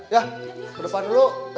ya ke depan dulu